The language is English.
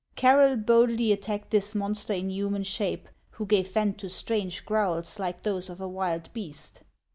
Carroll boldly attacked this monster in human shape, who gave vent to strange growls like those of a wild beast.